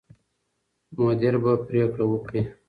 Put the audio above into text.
مدیر به پرېکړه وکړي.